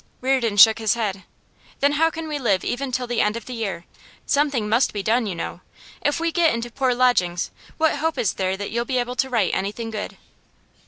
Reardon shook his head. 'Then how can we live even till the end of the year? Something must be done, you know. If we get into poor lodgings, what hope is there that you'll be able to write anything good?